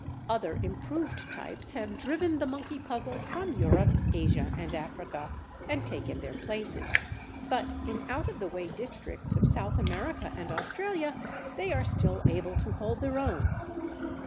Other improved types have driven the monkey puzzles from Europe, Asia, and Africa, and taken their places, but in out of the way districts of South America and Australia they are still able to hold their own.